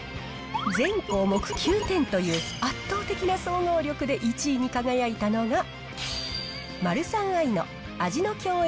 全項目９点という圧倒的な総合力で１位に輝いたのが、マルサンアイの味の饗宴